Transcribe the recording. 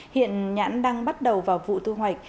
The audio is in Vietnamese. hiện nhãn đang bắt đầu vào vụ thu hoạch